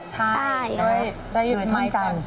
ใช่โดยท่อนจันทร์